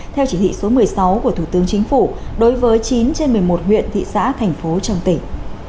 theo chỉ thị số một mươi sáu của thủ tướng chính phủ đối với chín trên một mươi một huyện thị xã thành phố trong tỉnh